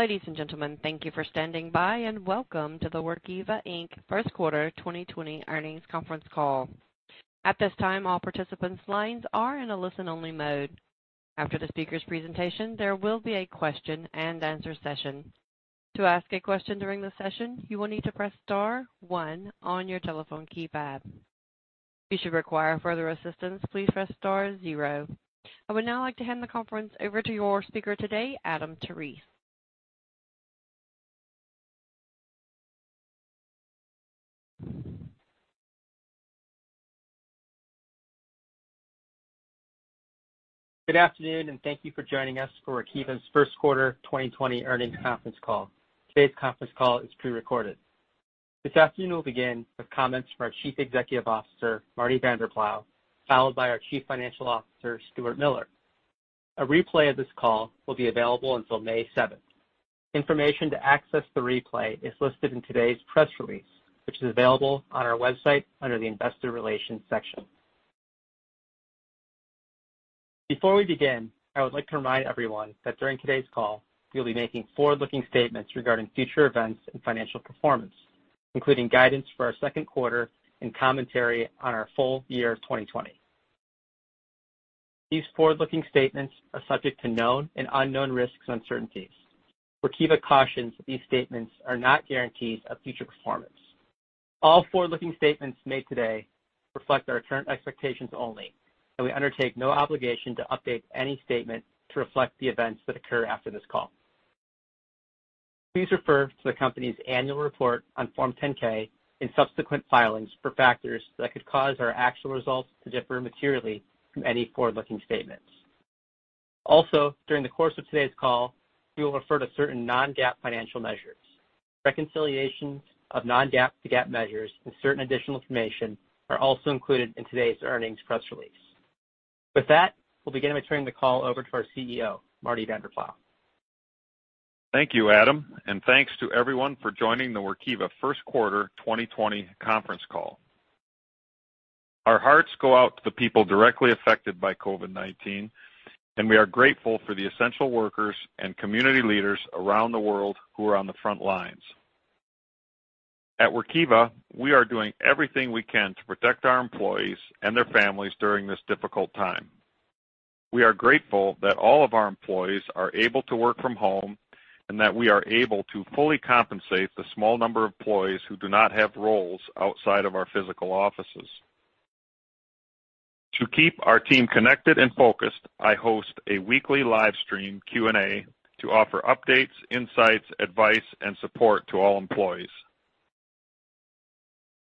Ladies and gentlemen, thank you for standing by, and welcome to the Workiva Inc. first quarter 2020 earnings conference call. At this time, all participants' lines are in a listen-only mode. After the speakers' presentation, there will be a question and answer session. To ask a question during the session, you will need to press star one on your telephone keypad. If you should require further assistance, please press star zero. I would now like to hand the conference over to your speaker today, Adam Hotchkiss. Good afternoon, and thank you for joining us for Workiva's first quarter 2020 earnings conference call. Today's conference call is prerecorded. This afternoon, we'll begin with comments from our Chief Executive Officer, Marty Vanderploeg, followed by our Chief Financial Officer, Stuart Miller. A replay of this call will be available until May 7th. Information to access the replay is listed in today's press release, which is available on our website under the investor relations section. Before we begin, I would like to remind everyone that during today's call, we'll be making forward-looking statements regarding future events and financial performance, including guidance for our second quarter and commentary on our full year 2020. These forward-looking statements are subject to known and unknown risks and uncertainties. Workiva cautions that these statements are not guarantees of future performance. All forward-looking statements made today reflect our current expectations only, and we undertake no obligation to update any statement to reflect the events that occur after this call. Please refer to the company's annual report on Form 10-K and subsequent filings for factors that could cause our actual results to differ materially from any forward-looking statements. During the course of today's call, we will refer to certain non-GAAP financial measures. Reconciliations of non-GAAP to GAAP measures and certain additional information are also included in today's earnings press release. We'll begin by turning the call over to our CEO, Marty Vanderploeg. Thank you, Adam. Thanks to everyone for joining the Workiva first quarter 2020 conference call. Our hearts go out to the people directly affected by COVID-19, and we are grateful for the essential workers and community leaders around the world who are on the front lines. At Workiva, we are doing everything we can to protect our employees and their families during this difficult time. We are grateful that all of our employees are able to work from home, and that we are able to fully compensate the small number of employees who do not have roles outside of our physical offices. To keep our team connected and focused, I host a weekly live stream Q&A to offer updates, insights, advice, and support to all employees.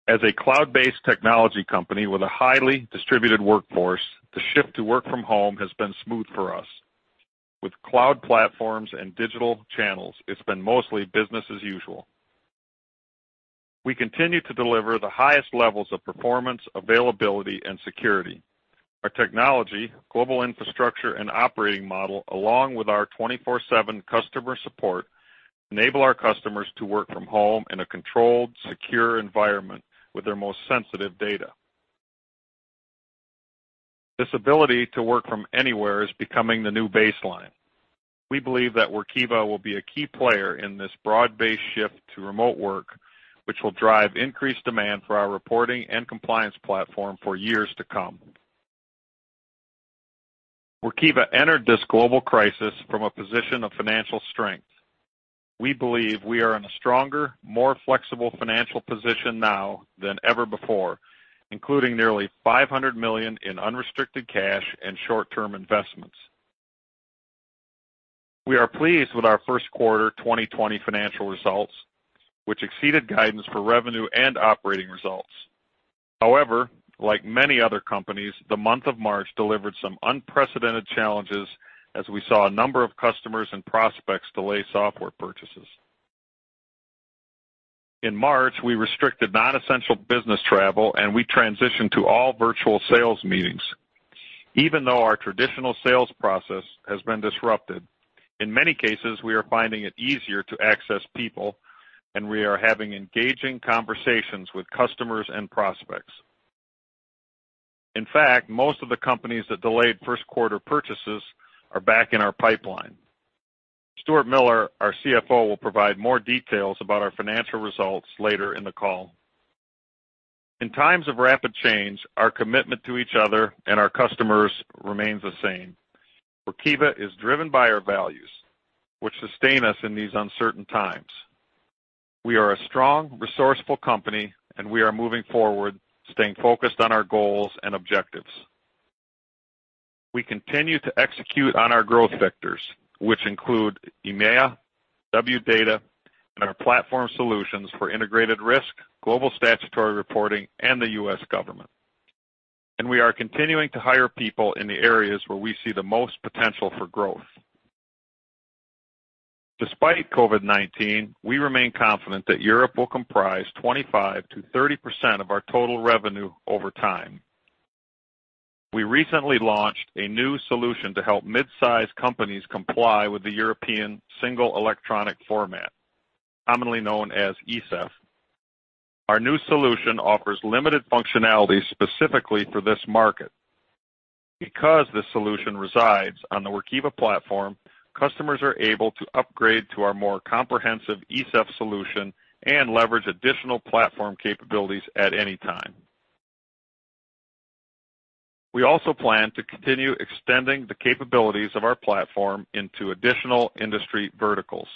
As a cloud-based technology company with a highly distributed workforce, the shift to work from home has been smooth for us. With cloud platforms and digital channels, it's been mostly business as usual. We continue to deliver the highest levels of performance, availability, and security. Our technology, global infrastructure, and operating model, along with our 24/7 customer support, enable our customers to work from home in a controlled, secure environment with their most sensitive data. This ability to work from anywhere is becoming the new baseline. We believe that Workiva will be a key player in this broad-based shift to remote work, which will drive increased demand for our reporting and compliance platform for years to come. Workiva entered this global crisis from a position of financial strength. We believe we are in a stronger, more flexible financial position now than ever before, including nearly $500 million in unrestricted cash and short-term investments. We are pleased with our first quarter 2020 financial results, which exceeded guidance for revenue and operating results. However, like many other companies, the month of March delivered some unprecedented challenges as we saw a number of customers and prospects delay software purchases. In March, we restricted non-essential business travel, and we transitioned to all virtual sales meetings. Even though our traditional sales process has been disrupted, in many cases, we are finding it easier to access people, and we are having engaging conversations with customers and prospects. In fact, most of the companies that delayed first-quarter purchases are back in our pipeline. Stuart Miller, our CFO, will provide more details about our financial results later in the call. In times of rapid change, our commitment to each other and our customers remains the same. Workiva is driven by our values, which sustain us in these uncertain times. We are a strong, resourceful company, and we are moving forward, staying focused on our goals and objectives. We continue to execute on our growth vectors, which include EMEA, Wdata, and our platform solutions for Integrated Risk, Global Statutory Reporting, and the U.S. government. We are continuing to hire people in the areas where we see the most potential for growth. Despite COVID-19, we remain confident that Europe will comprise 25%-30% of our total revenue over time. We recently launched a new solution to help mid-size companies comply with the European Single Electronic Format, commonly known as ESEF. Our new solution offers limited functionality specifically for this market. Because this solution resides on the Workiva platform, customers are able to upgrade to our more comprehensive ESEF solution and leverage additional platform capabilities at any time. We also plan to continue extending the capabilities of our platform into additional industry verticals.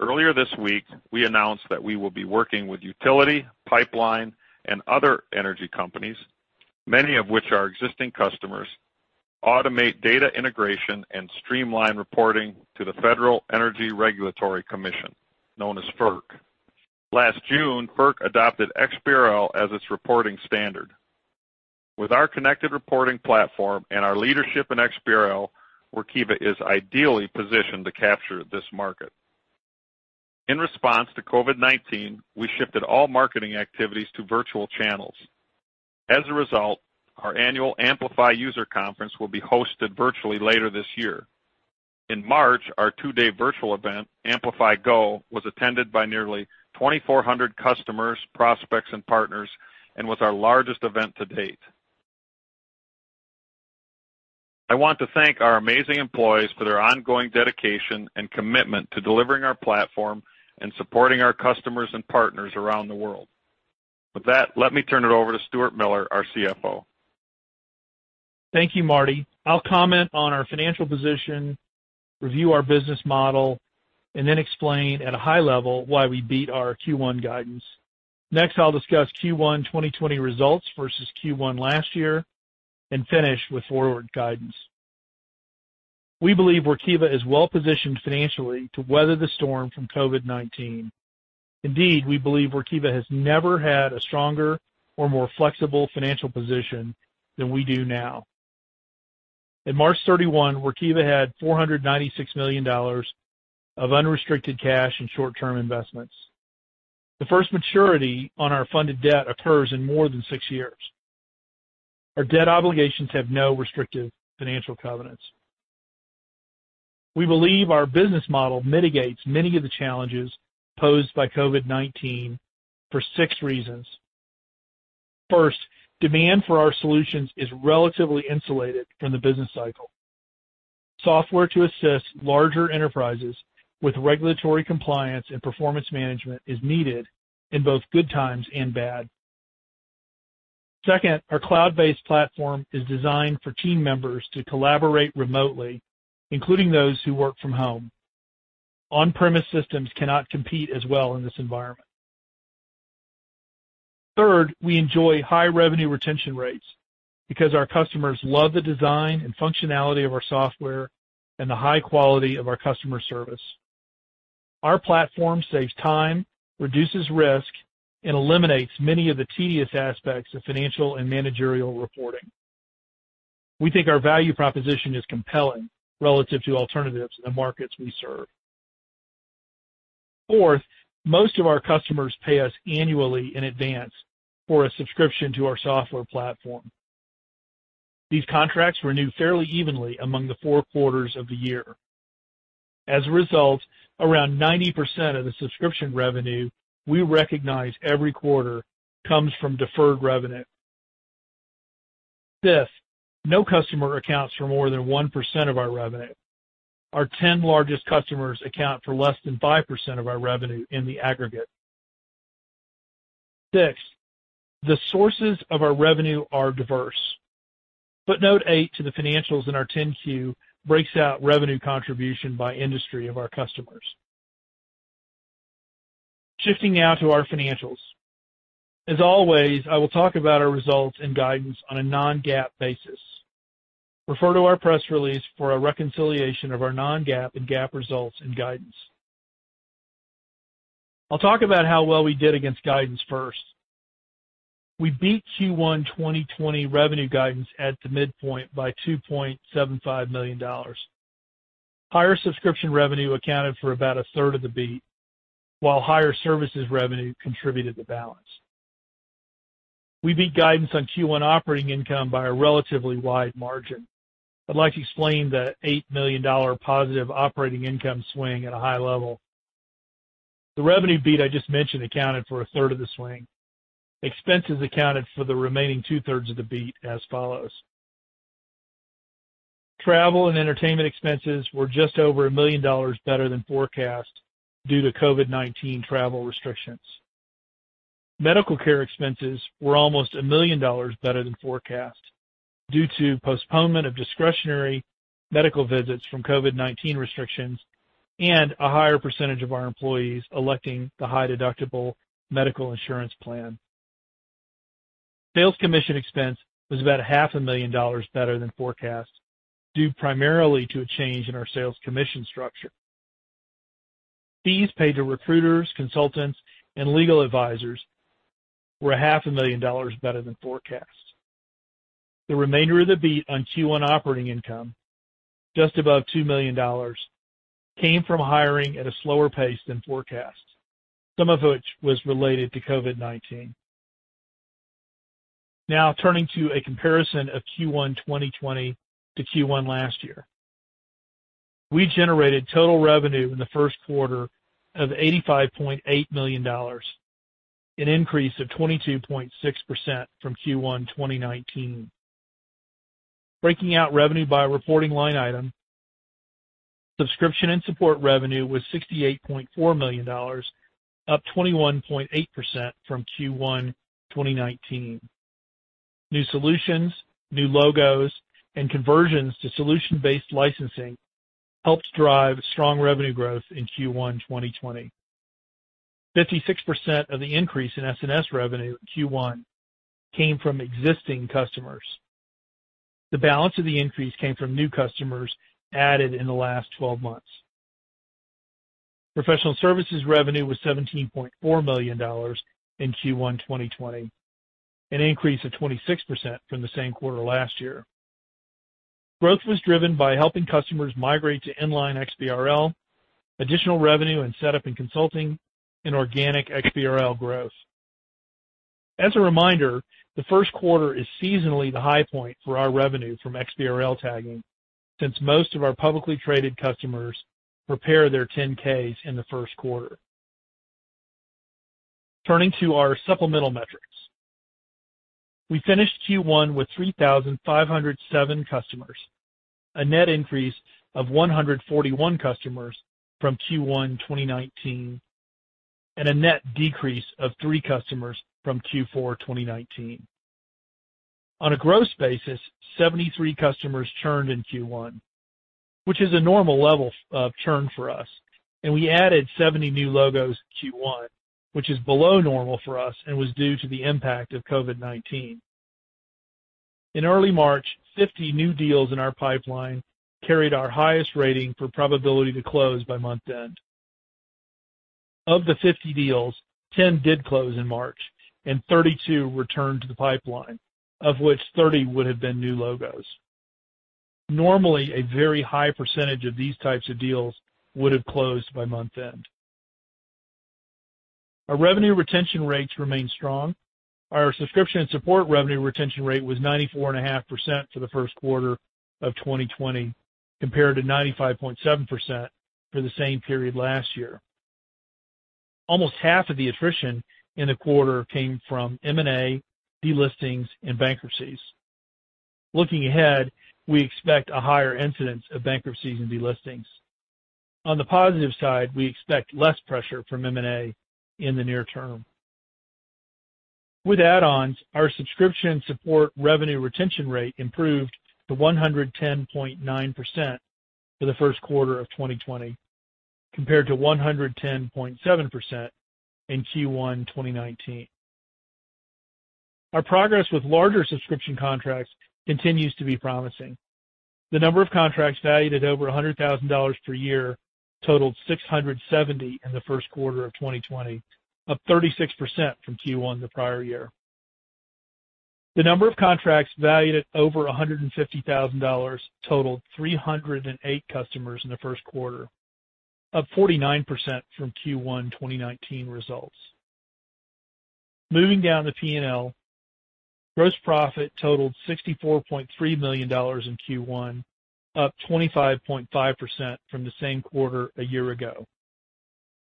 Earlier this week, we announced that we will be working with utility, pipeline, and other energy companies, many of which are existing customers, automate data integration and streamline reporting to the Federal Energy Regulatory Commission, known as FERC. Last June, FERC adopted XBRL as its reporting standard. With our connected reporting platform and our leadership in XBRL, Workiva is ideally positioned to capture this market. In response to COVID-19, we shifted all marketing activities to virtual channels. Our annual Amplify user conference will be hosted virtually later this year. In March, our two-day virtual event, Amplify Go, was attended by nearly 2,400 customers, prospects, and partners and was our largest event to date. I want to thank our amazing employees for their ongoing dedication and commitment to delivering our platform and supporting our customers and partners around the world. With that, let me turn it over to Stuart Miller, our CFO. Thank you, Marty. I'll comment on our financial position, review our business model, and then explain at a high level why we beat our Q1 guidance. Next, I'll discuss Q1 2020 results versus Q1 last year and finish with forward guidance. We believe Workiva is well-positioned financially to weather the storm from COVID-19. Indeed, we believe Workiva has never had a stronger or more flexible financial position than we do now. At March 31, Workiva had $496 million of unrestricted cash and short-term investments. The first maturity on our funded debt occurs in more than six years. Our debt obligations have no restrictive financial covenants. We believe our business model mitigates many of the challenges posed by COVID-19 for six reasons. First, demand for our solutions is relatively insulated from the business cycle. Software to assist larger enterprises with regulatory compliance and performance management is needed in both good times and bad. Second, our cloud-based Platform is designed for team members to collaborate remotely, including those who work from home. On-premise systems cannot compete as well in this environment. Third, we enjoy high revenue retention rates because our customers love the design and functionality of our software and the high quality of our customer service. Our Platform saves time, reduces risk, and eliminates many of the tedious aspects of financial and managerial reporting. We think our value proposition is compelling relative to alternatives in the markets we serve. Fourth, most of our customers pay us annually in advance for a subscription to our software Platform. These contracts renew fairly evenly among the four quarters of the year. As a result, around 90% of the subscription revenue we recognize every quarter comes from deferred revenue. Fifth, no customer accounts for more than 1% of our revenue. Our 10 largest customers account for less than 5% of our revenue in the aggregate. Sixth, the sources of our revenue are diverse. Footnote eight to the financials in our 10-Q breaks out revenue contribution by industry of our customers. Shifting now to our financials. As always, I will talk about our results and guidance on a non-GAAP basis. Refer to our press release for a reconciliation of our non-GAAP and GAAP results and guidance. I'll talk about how well we did against guidance first. We beat Q1 2020 revenue guidance at the midpoint by $2.75 million. Higher subscription revenue accounted for about a third of the beat, while higher services revenue contributed the balance. We beat guidance on Q1 operating income by a relatively wide margin. I'd like to explain the $8 million positive operating income swing at a high level. The revenue beat I just mentioned accounted for a third of the swing. Expenses accounted for the remaining two-thirds of the beat as follows. Travel and entertainment expenses were just over $1 million better than forecast due to COVID-19 travel restrictions. Medical care expenses were almost $1 million better than forecast due to postponement of discretionary medical visits from COVID-19 restrictions and a higher percentage of our employees electing the high-deductible medical insurance plan. Sales commission expense was about half a million dollars better than forecast, due primarily to a change in our sales commission structure. Fees paid to recruiters, consultants, and legal advisors were half a million dollars better than forecast. The remainder of the beat on Q1 operating income, just above $2 million, came from hiring at a slower pace than forecast, some of which was related to COVID-19. Turning to a comparison of Q1 2020 to Q1 last year. We generated total revenue in the first quarter of $85.8 million, an increase of 22.6% from Q1 2019. Breaking out revenue by reporting line item, subscription and support revenue was $68.4 million, up 21.8% from Q1 2019. New solutions, new logos, and conversions to solution-based licensing helped drive strong revenue growth in Q1 2020. 56% of the increase in SNS revenue in Q1 came from existing customers. The balance of the increase came from new customers added in the last 12 months. Professional services revenue was $17.4 million in Q1 2020, an increase of 26% from the same quarter last year. Growth was driven by helping customers migrate to Inline XBRL, additional revenue in setup and consulting, and organic XBRL growth. As a reminder, the first quarter is seasonally the high point for our revenue from XBRL tagging, since most of our publicly traded customers prepare their 10-Ks in the first quarter. Turning to our supplemental metrics. We finished Q1 with 3,507 customers, a net increase of 141 customers from Q1 2019, and a net decrease of three customers from Q4 2019. On a gross basis, 73 customers churned in Q1, which is a normal level of churn for us, and we added 70 new logos in Q1, which is below normal for us and was due to the impact of COVID-19. In early March, 50 new deals in our pipeline carried our highest rating for probability to close by month-end. Of the 50 deals, 10 did close in March, and 32 returned to the pipeline, of which 30 would have been new logos. Normally, a very high percentage of these types of deals would have closed by month-end. Our revenue retention rates remain strong. Our subscription and support revenue retention rate was 94.5% for the first quarter of 2020, compared to 95.7% for the same period last year. Almost half of the attrition in the quarter came from M&A, delistings, and bankruptcies. Looking ahead, we expect a higher incidence of bankruptcies and delistings. On the positive side, we expect less pressure from M&A in the near term. With add-ons, our subscription support revenue retention rate improved to 110.9% for the first quarter of 2020, compared to 110.7% in Q1 2019. Our progress with larger subscription contracts continues to be promising. The number of contracts valued at over $100,000 per year totaled 670 in the first quarter of 2020, up 36% from Q1 the prior year. The number of contracts valued at over $150,000 totaled 308 customers in the first quarter, up 49% from Q1 2019 results. Moving down the P&L, gross profit totaled $64.3 million in Q1, up 25.5% from the same quarter a year ago.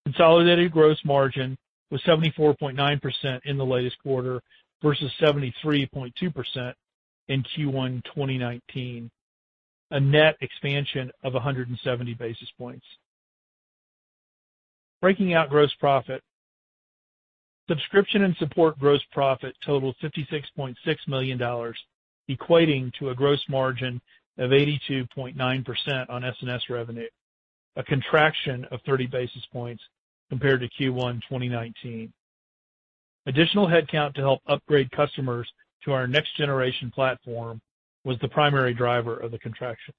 Consolidated gross margin was 74.9% in the latest quarter versus 73.2% in Q1 2019, a net expansion of 170 basis points. Breaking out gross profit, subscription and support gross profit totaled $56.6 million, equating to a gross margin of 82.9% on SNS revenue, a contraction of 30 basis points compared to Q1 2019. Additional headcount to help upgrade customers to our next-generation platform was the primary driver of the contraction.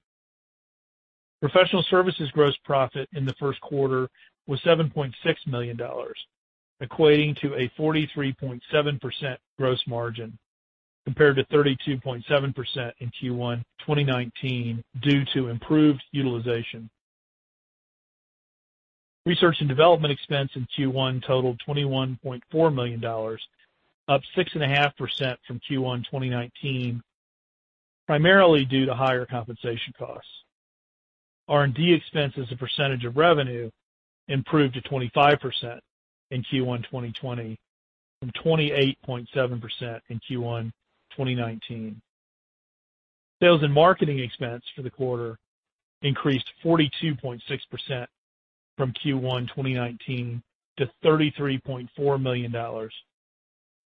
Professional services gross profit in the first quarter was $7.6 million, equating to a 43.7% gross margin, compared to 32.7% in Q1 2019 due to improved utilization. Research and development expense in Q1 totaled $21.4 million, up 6.5% from Q1 2019, primarily due to higher compensation costs. R&D expense as a percentage of revenue improved to 25% in Q1 2020 from 28.7% in Q1 2019. Sales and marketing expense for the quarter increased 42.6% from Q1 2019 to $33.4 million,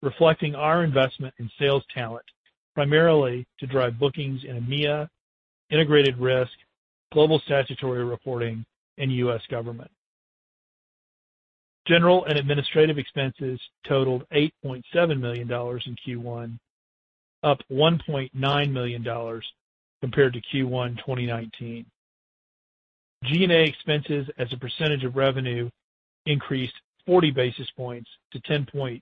reflecting our investment in sales talent, primarily to drive bookings in EMEA, Integrated Risk, Global Statutory Reporting, and U.S. government. General and administrative expenses totaled $8.7 million in Q1, up $1.9 million compared to Q1 2019. G&A expenses as a percentage of revenue increased 40 basis points to 10.1%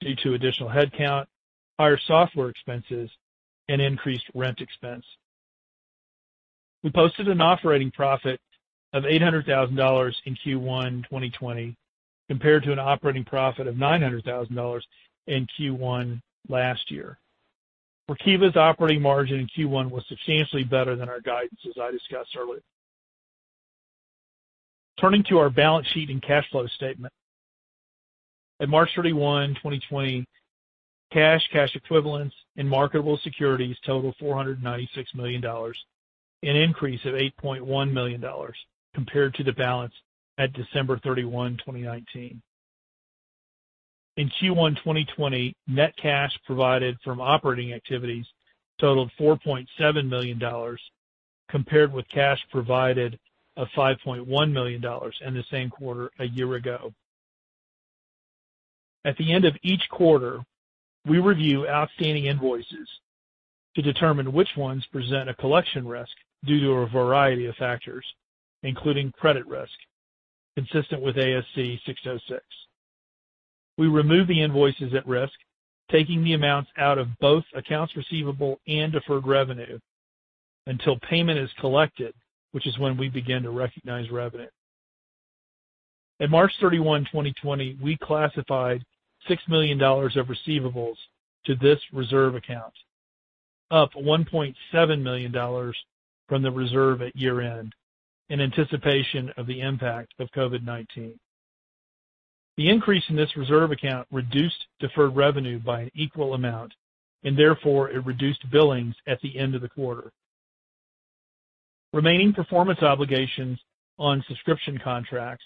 due to additional headcount, higher software expenses, and increased rent expense. We posted an operating profit of $800,000 in Q1 2020 compared to an operating profit of $900,000 in Q1 last year. Workiva's operating margin in Q1 was substantially better than our guidance, as I discussed earlier. Turning to our balance sheet and cash flow statement. At March 31, 2020, cash equivalents, and marketable securities totaled $496 million, an increase of $8.1 million compared to the balance at December 31, 2019. In Q1 2020, net cash provided from operating activities totaled $4.7 million, compared with cash provided of $5.1 million in the same quarter a year ago. At the end of each quarter, we review outstanding invoices to determine which ones present a collection risk due to a variety of factors, including credit risk, consistent with ASC 606. We remove the invoices at risk, taking the amounts out of both accounts receivable and deferred revenue until payment is collected, which is when we begin to recognize revenue. At March 31, 2020, we classified $6 million of receivables to this reserve account, up $1.7 million from the reserve at year-end, in anticipation of the impact of COVID-19. The increase in this reserve account reduced deferred revenue by an equal amount, and therefore it reduced billings at the end of the quarter. Remaining performance obligations on subscription contracts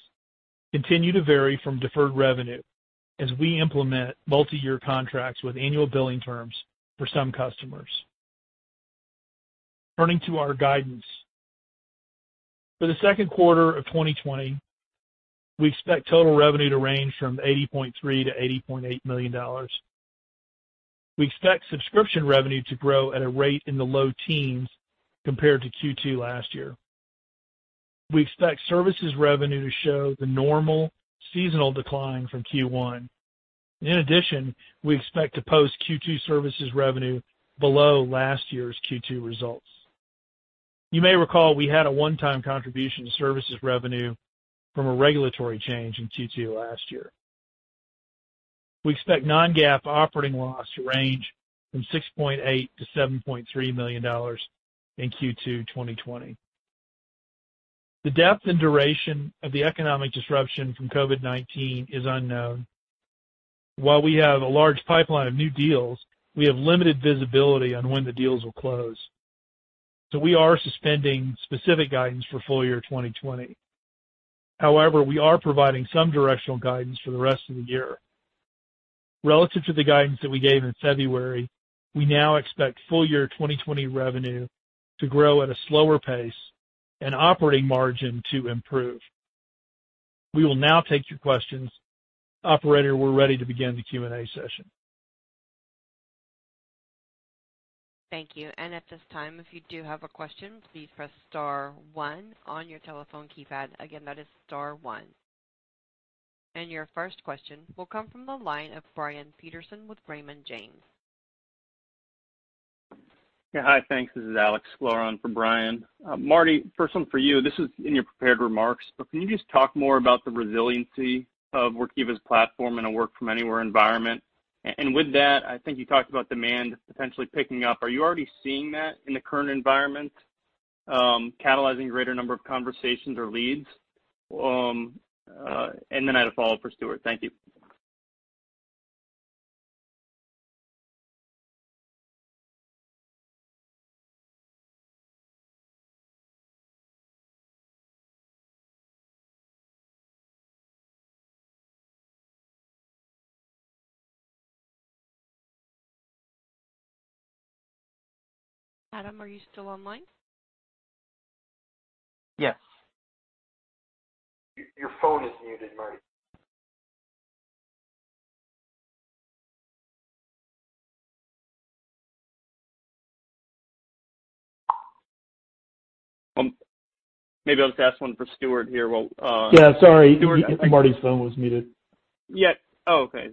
continue to vary from deferred revenue as we implement multi-year contracts with annual billing terms for some customers. Turning to our guidance. For the second quarter of 2020, we expect total revenue to range from $80.3 million-$80.8 million. We expect subscription revenue to grow at a rate in the low teens compared to Q2 last year. We expect services revenue to show the normal seasonal decline from Q1. In addition, we expect to post Q2 services revenue below last year's Q2 results. You may recall we had a one-time contribution to services revenue from a regulatory change in Q2 last year. We expect non-GAAP operating loss to range from $6.8 million-$7.3 million in Q2 2020. The depth and duration of the economic disruption from COVID-19 is unknown. While we have a large pipeline of new deals, we have limited visibility on when the deals will close. We are suspending specific guidance for full year 2020. However, we are providing some directional guidance for the rest of the year. Relative to the guidance that we gave in February, we now expect full year 2020 revenue to grow at a slower pace and operating margin to improve. We will now take your questions. Operator, we are ready to begin the Q&A session. Thank you. At this time, if you do have a question, please press star one on your telephone keypad. Again, that is star one. Your first question will come from the line of Brian Peterson with Raymond James. Yeah, hi. Thanks. This is Alex Sklar for Brian. Marty, first one for you. This is in your prepared remarks. Can you just talk more about the resiliency of Workiva's platform in a work-from-anywhere environment? With that, I think you talked about demand potentially picking up. Are you already seeing that in the current environment, catalyzing a greater number of conversations or leads? Then I had a follow-up for Stuart. Thank you. Adam, are you still online? Yes. Your phone is muted, Marty. Maybe I'll just ask one for Stuart here. Yeah, sorry. Marty's phone was muted. Yeah. Oh, okay.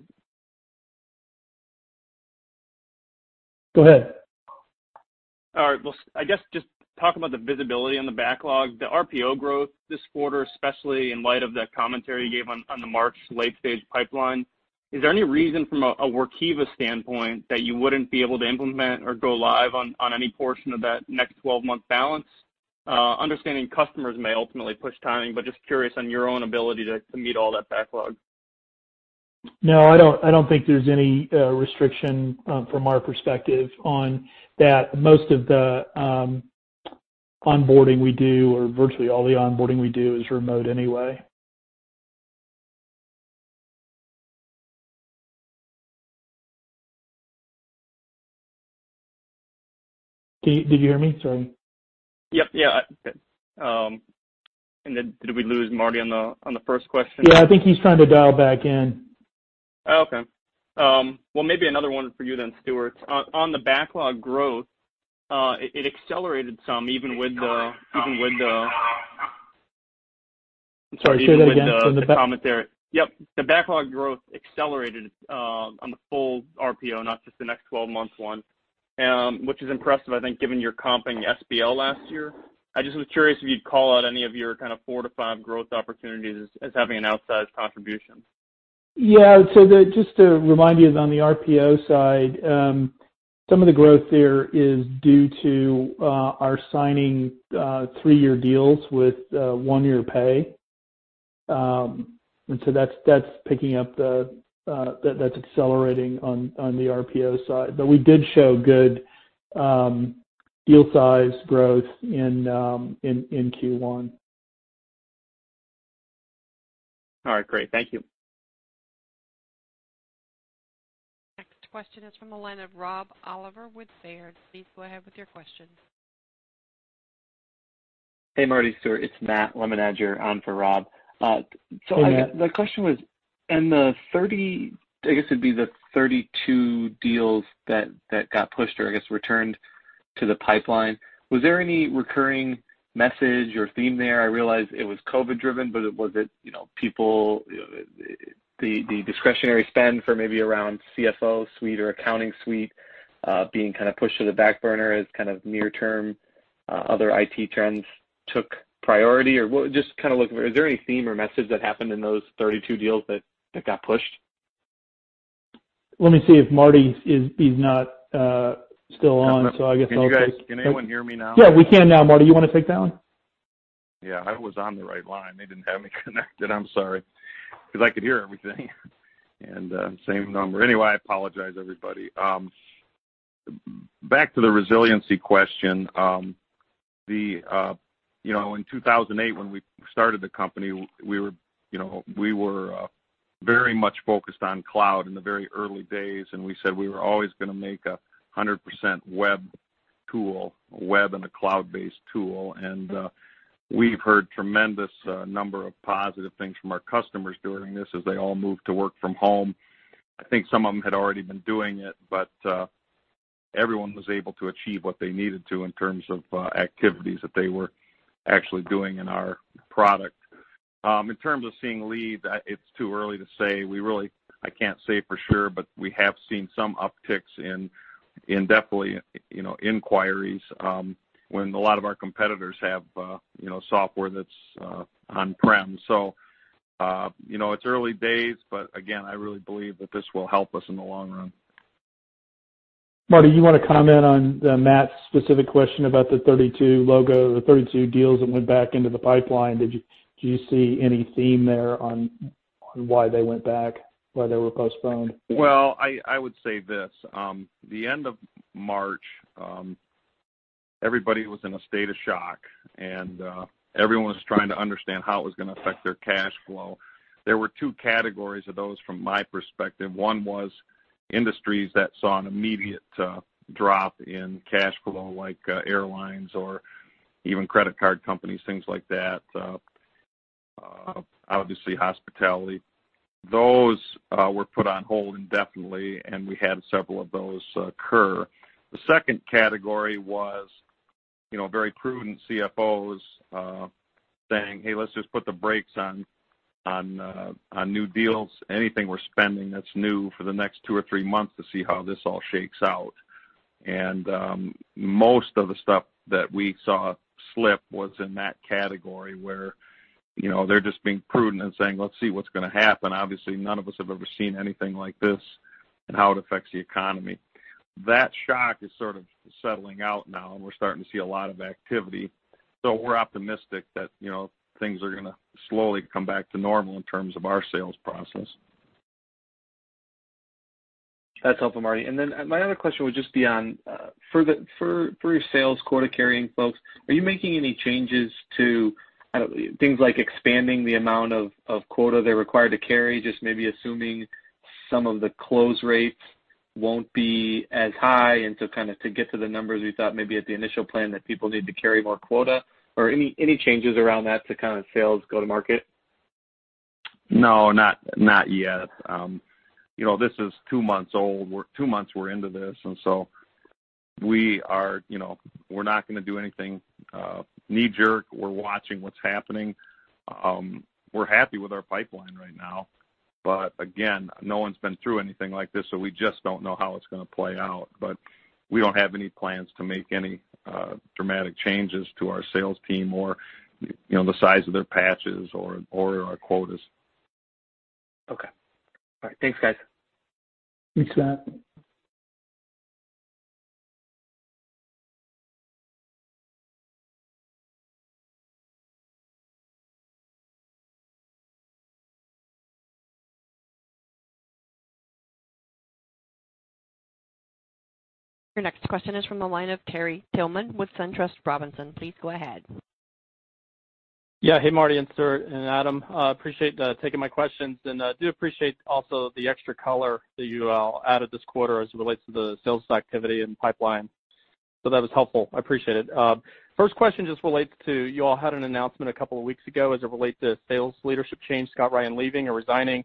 Go ahead. All right, well, I guess just talk about the visibility on the backlog. The RPO growth this quarter, especially in light of that commentary you gave on the March late-stage pipeline, is there any reason from a Workiva standpoint that you wouldn't be able to implement or go live on any portion of that next 12-month balance? Just curious on your own ability to meet all that backlog. No, I don't think there's any restriction from our perspective on that. Most of the onboarding we do, or virtually all the onboarding we do is remote anyway. Did you hear me? Sorry. Yep. Yeah. Did we lose Marty on the first question? Yeah, I think he's trying to dial back in. Oh, okay. Well, maybe another one for you then, Stuart. On the backlog growth, it accelerated some even with the- Sorry, say that again. The comment there. Yep. The backlog growth accelerated on the full RPO, not just the next 12-month one, which is impressive, I think, given your comping SBL last year. I just was curious if you'd call out any of your kind of four to five growth opportunities as having an outsized contribution. Yeah. Just to remind you, on the RPO side, some of the growth there is due to our signing 3-year deals with 1-year pay. That's accelerating on the RPO side. We did show good deal size growth in Q1. All right, great. Thank you. Next question is from the line of Rob Oliver with Baird. Please go ahead with your question. Hey, Marty, Stuart, it's Matt Lemenager on for Rob. Hey, Matt. The question was, in the 30, I guess it'd be the 32 deals that got pushed, or I guess returned to the pipeline, was there any recurring message or theme there? I realize it was COVID-driven, but was it people, the discretionary spend for maybe around CFO suite or accounting suite, being kind of pushed to the back burner as kind of near term, other IT trends took priority? Just kind of looking for, is there any theme or message that happened in those 32 deals that got pushed? Let me see if Marty, he's not still on. I guess I'll take it. Can anyone hear me now? Yeah, we can now, Marty. You want to take that one? Yeah, I was on the right line. They didn't have me connected. I'm sorry, because I could hear everything. Same number. Anyway, I apologize, everybody. Back to the resiliency question. In 2008, when we started the company, we were very much focused on cloud in the very early days, and we said we were always gonna make a 100% web tool, a web and a cloud-based tool. We've heard tremendous number of positive things from our customers during this as they all moved to work from home. I think some of them had already been doing it, but everyone was able to achieve what they needed to in terms of activities that they were actually doing in our product. In terms of seeing leads, it's too early to say. I can't say for sure, but we have seen some upticks in definitely inquiries, when a lot of our competitors have software that's on-prem. It's early days, but again, I really believe that this will help us in the long run. Marty, you want to comment on Matt's specific question about the 32 logo or the 32 deals that went back into the pipeline? Did you see any theme there on why they went back, why they were postponed? Well, I would say this. The end of March, everybody was in a state of shock. Everyone was trying to understand how it was gonna affect their cash flow. There were 2 categories of those from my perspective. One was industries that saw an immediate drop in cash flow, like airlines or even credit card companies, things like that. Obviously, hospitality. Those were put on hold indefinitely. We had several of those occur. The second category was very prudent CFOs saying, "Hey, let's just put the brakes on new deals, anything we're spending that's new for the next two or three months to see how this all shakes out." Most of the stuff that we saw slip was in that category where they're just being prudent and saying, "Let's see what's gonna happen." Obviously, none of us have ever seen anything like this and how it affects the economy. That shock is sort of settling out now, and we're starting to see a lot of activity. We're optimistic that things are gonna slowly come back to normal in terms of our sales process. That's helpful, Marty. My other question would just be on, for your sales quota-carrying folks, are you making any changes to things like expanding the amount of quota they're required to carry, just maybe assuming some of the close rates won't be as high, and to kind of to get to the numbers you thought maybe at the initial plan that people need to carry more quota? Any changes around that to kind of sales go to market? No, not yet. This is two months old. We're two months into this. We're not going to do anything knee-jerk. We're watching what's happening. We're happy with our pipeline right now. Again, no one's been through anything like this, so we just don't know how it's going to play out. We don't have any plans to make any dramatic changes to our sales team or the size of their patches or our quotas. Okay. All right. Thanks, guys. Thanks, Matt. Your next question is from the line of Terry Tillman with SunTrust Robinson. Please go ahead. Yeah. Hey, Marty and Adam. Appreciate taking my questions, and I do appreciate also the extra color that you all added this quarter as it relates to the sales activity and pipeline. That was helpful. I appreciate it. First question just relates to, you all had an announcement a couple of weeks ago as it relates to sales leadership change, Scott Ryan leaving or resigning.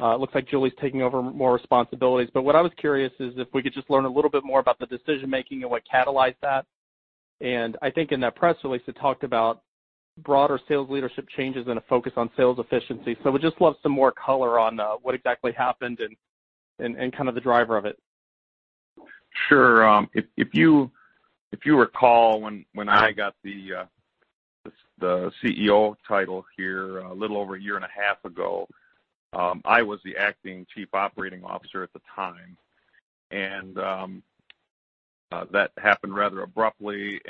Looks like Julie's taking over more responsibilities. What I was curious is if we could just learn a little bit more about the decision-making and what catalyzed that. I think in that press release, it talked about broader sales leadership changes and a focus on sales efficiency. We'd just love some more color on what exactly happened and the driver of it. Sure. If you recall, when I got the Chief Executive Officer title here a little over a year and a half ago, I was the acting Chief Operating Officer at the time, that happened rather abruptly.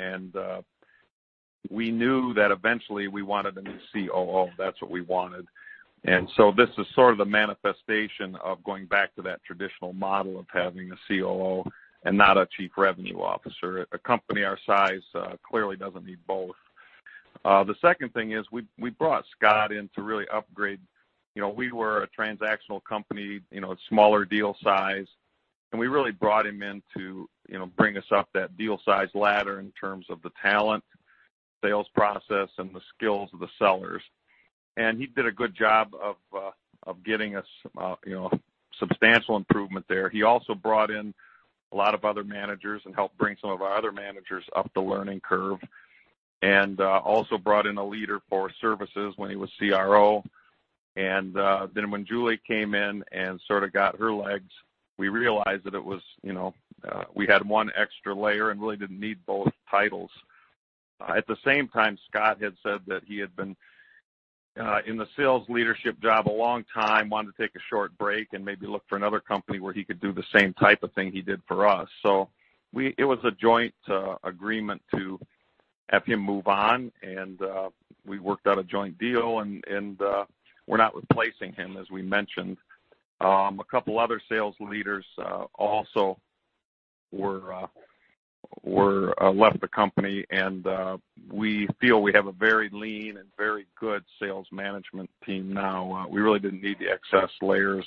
We knew that eventually we wanted a new Chief Operating Officer. That's what we wanted. This is sort of the manifestation of going back to that traditional model of having a Chief Operating Officer and not a Chief Revenue Officer. A company our size clearly doesn't need both. The second thing is we brought Scott in to really upgrade. We were a transactional company, smaller deal size, and we really brought him in to bring us up that deal size ladder in terms of the talent, sales process, and the skills of the sellers. He did a good job of getting us substantial improvement there. He also brought in a lot of other managers and helped bring some of our other managers up the learning curve, also brought in a leader for services when he was CRO. When Julie came in and sort of got her legs, we realized that we had one extra layer and really didn't need both titles. At the same time, Scott had said that he had been in the sales leadership job a long time, wanted to take a short break, and maybe look for another company where he could do the same type of thing he did for us. It was a joint agreement to have him move on, and we worked out a joint deal, and we're not replacing him, as we mentioned. A couple other sales leaders also left the company. We feel we have a very lean and very good sales management team now. We really didn't need the excess layers.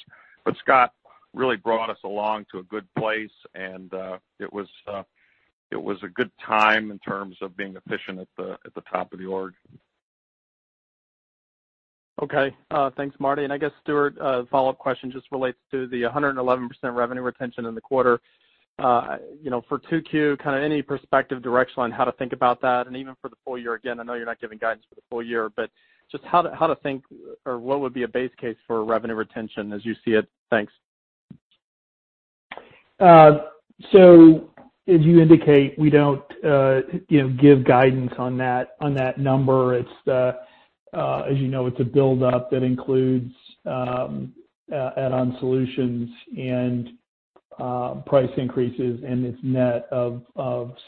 Scott really brought us along to a good place, and it was a good time in terms of being efficient at the top of the org. Okay. Thanks, Marty. I guess, Stuart, a follow-up question just relates to the 111% revenue retention in the quarter. For 2Q, any perspective direction on how to think about that, and even for the full year? Again, I know you're not giving guidance for the full year, but just how to think or what would be a base case for revenue retention as you see it? Thanks. As you indicate, we don't give guidance on that number. As you know, it's a buildup that includes add-on solutions and price increases, and it's net of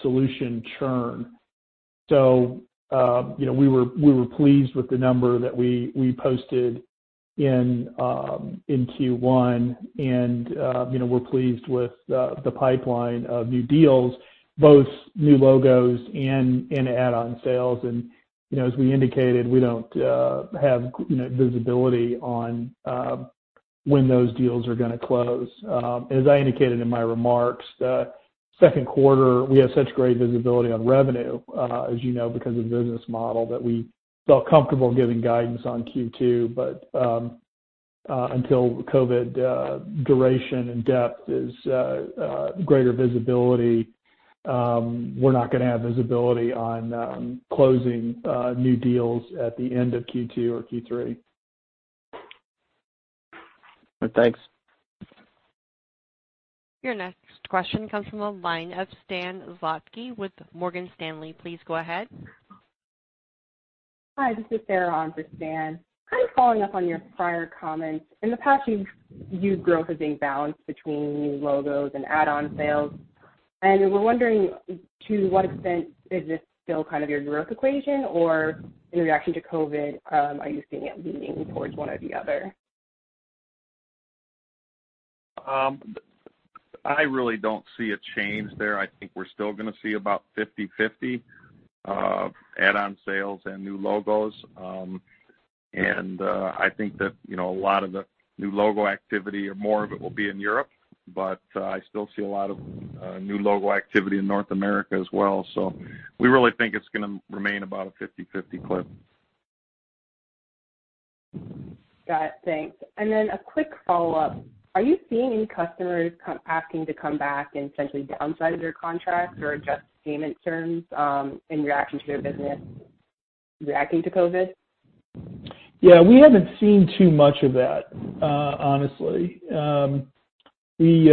solution churn. We were pleased with the number that we posted in Q1, and we're pleased with the pipeline of new deals, both new logos and add-on sales. As we indicated, we don't have visibility on when those deals are going to close. As I indicated in my remarks, the second quarter, we have such great visibility on revenue, as you know, because of the business model, that we felt comfortable giving guidance on Q2. Until COVID duration and depth is greater visibility, we're not going to have visibility on closing new deals at the end of Q2 or Q3. Thanks. Your next question comes from the line of Stan Zlotsky with Morgan Stanley. Please go ahead. Hi, this is Sarah on for Stan. Kind of following up on your prior comments. In the past, you've viewed growth as being balanced between new logos and add-on sales. We're wondering, to what extent is this still kind of your growth equation? Or in reaction to COVID, are you seeing it leaning towards one or the other? I really don't see a change there. I think we're still going to see about 50/50 add-on sales and new logos. I think that a lot of the new logo activity or more of it will be in Europe, but I still see a lot of new logo activity in North America as well. We really think it's going to remain about a 50/50 clip. Got it. Thanks. A quick follow-up. Are you seeing any customers asking to come back and essentially downsize their contracts or adjust payment terms in reaction to their business reacting to COVID? Yeah, we haven't seen too much of that, honestly. We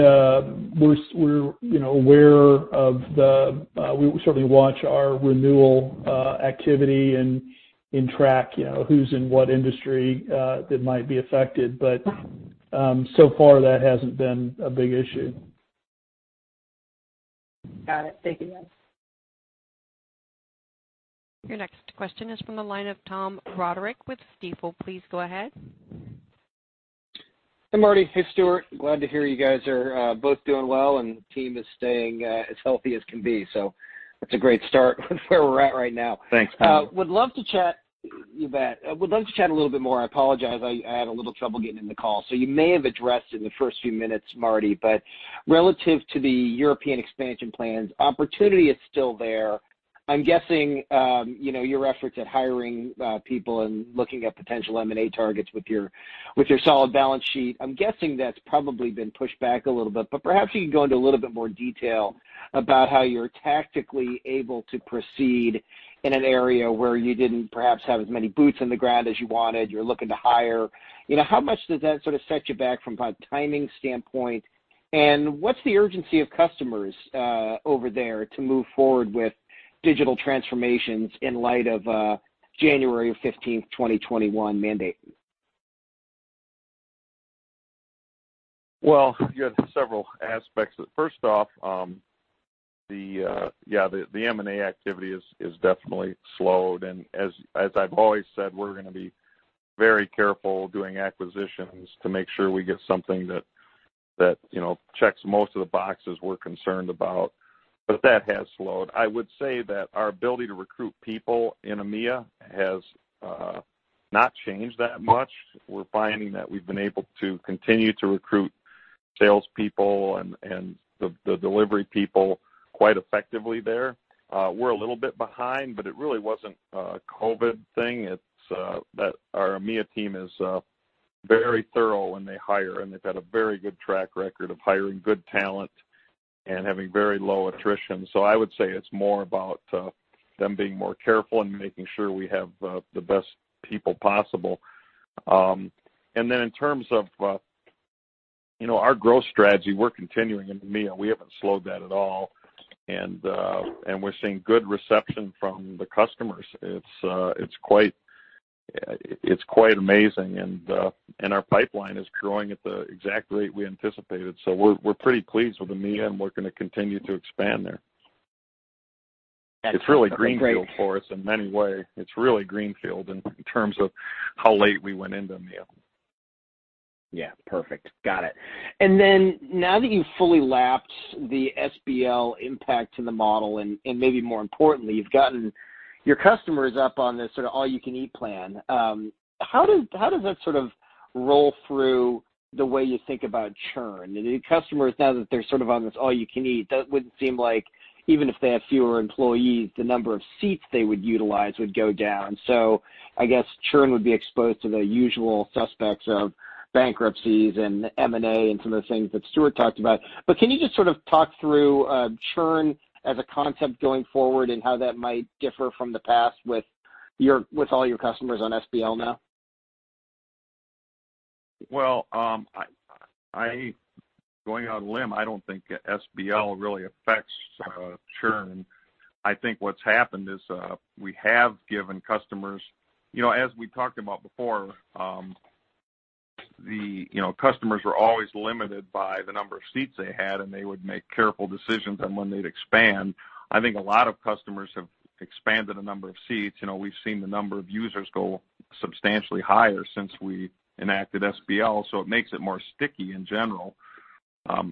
certainly watch our renewal activity and track who's in what industry that might be affected. So far, that hasn't been a big issue. Got it. Thank you, guys. Your next question is from the line of Tom Roderick with Stifel. Please go ahead. Hi, Marty. Hey, Stuart. Glad to hear you guys are both doing well and the team is staying as healthy as can be. That's a great start with where we're at right now. Thanks, Tom. You bet. Would love to chat a little bit more. I apologize, I had a little trouble getting in the call. You may have addressed in the first few minutes, Marty, but relative to the European expansion plans, opportunity is still there. I'm guessing your efforts at hiring people and looking at potential M&A targets with your solid balance sheet, I'm guessing that's probably been pushed back a little bit. Perhaps you can go into a little bit more detail about how you're tactically able to proceed in an area where you didn't perhaps have as many boots on the ground as you wanted. You're looking to hire. How much does that sort of set you back from a timing standpoint? What's the urgency of customers over there to move forward with digital transformations in light of January 15th, 2021 mandate? You have several aspects. First off, the M&A activity has definitely slowed, and as I've always said, we're going to be very careful doing acquisitions to make sure we get something that checks most of the boxes we're concerned about. That has slowed. I would say that our ability to recruit people in EMEA has not changed that much. We're finding that we've been able to continue to recruit salespeople and the delivery people quite effectively there. We're a little bit behind, but it really wasn't a COVID-19 thing. It's that our EMEA team is very thorough when they hire, and they've had a very good track record of hiring good talent and having very low attrition. I would say it's more about them being more careful and making sure we have the best people possible. In terms of our growth strategy, we're continuing in EMEA. We haven't slowed that at all. We're seeing good reception from the customers. It's quite amazing, and our pipeline is growing at the exact rate we anticipated. We're pretty pleased with EMEA, and we're going to continue to expand there. It's really greenfield for us in many ways. It's really greenfield in terms of how late we went into EMEA. Yeah, perfect. Got it. Now that you've fully lapped the SBL impact to the model, and maybe more importantly, you've gotten your customers up on this all-you-can-eat plan, how does that roll through the way you think about churn? The customers, now that they're on this all-you-can-eat, that would seem like even if they have fewer employees, the number of seats they would utilize would go down. I guess churn would be exposed to the usual suspects of bankruptcies and M&A and some of the things that Stuart talked about. Can you just sort of talk through churn as a concept going forward and how that might differ from the past with all your customers on SBL now? Well, going on a limb, I don't think SBL really affects churn. I think what's happened is we have given customers-- as we talked about before, customers were always limited by the number of seats they had, and they would make careful decisions on when they'd expand. I think a lot of customers have expanded the number of seats. We've seen the number of users go substantially higher since we enacted SBL, so it makes it more sticky in general.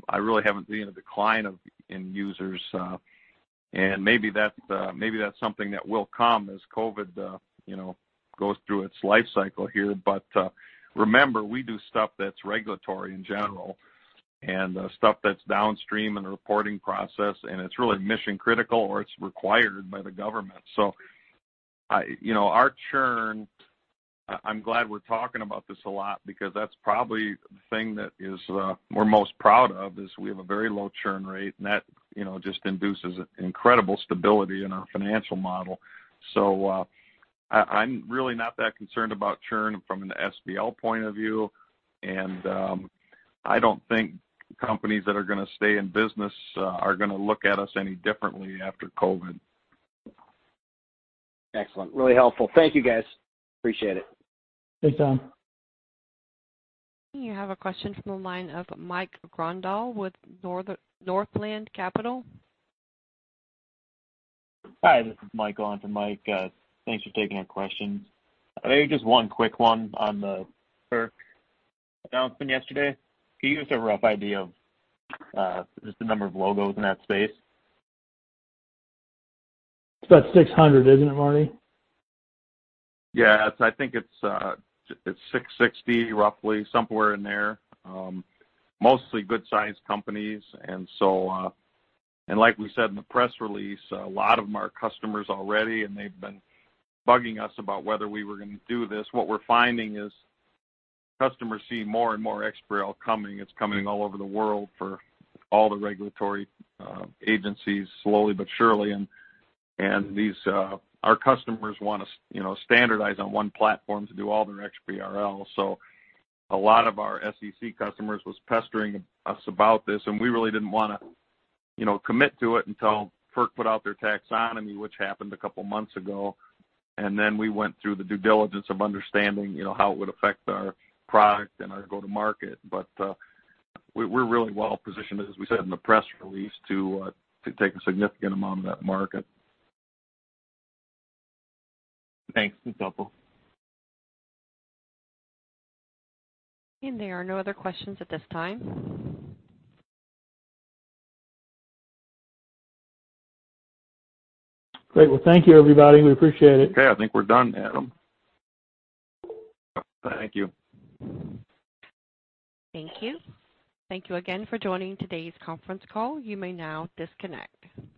I really haven't seen a decline in users. Maybe that's something that will come as COVID goes through its life cycle here. Remember, we do stuff that's regulatory in general and stuff that's downstream in the reporting process, and it's really mission critical, or it's required by the government. Our churn, I'm glad we're talking about this a lot because that's probably the thing that we're most proud of is we have a very low churn rate, and that just induces incredible stability in our financial model. I'm really not that concerned about churn from an SBL point of view, and I don't think companies that are going to stay in business are going to look at us any differently after COVID. Excellent. Really helpful. Thank you, guys. Appreciate it. Thanks, Tom. You have a question from the line of Mike Grondahl with Northland Capital. Hi, this is Mike Grondahl. Mike, thanks for taking our questions. Maybe just one quick one on the FERC announcement yesterday. Can you give us a rough idea of just the number of logos in that space? It's about 600, isn't it, Marty? Yeah. I think it's 660, roughly, somewhere in there. Mostly good-sized companies. Like we said in the press release, a lot of them are customers already, and they've been bugging us about whether we were going to do this. What we're finding is customers see more and more XBRL coming. It's coming all over the world for all the regulatory agencies, slowly but surely. Our customers want to standardize on one platform to do all their XBRL. A lot of our SEC customers was pestering us about this, and we really didn't want to commit to it until FERC put out their taxonomy, which happened a couple of months ago. We went through the due diligence of understanding how it would affect our product and our go-to-market. We're really well-positioned, as we said in the press release, to take a significant amount of that market. Thanks. It's helpful. There are no other questions at this time. Great. Well, thank you, everybody. We appreciate it. Okay. I think we're done, Adam. Thank you. Thank you. Thank you again for joining today's conference call. You may now disconnect.